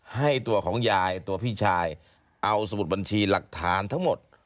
ให้ตัวของยายตัวพี่ชายเอาสมุดบัญชีหลักฐานทั้งหมด